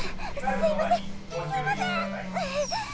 すいません。